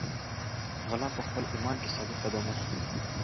غلام په خپل ایمان کې ثابت قدم و.